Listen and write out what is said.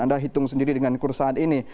anda hitung sendiri dengan kursaan ini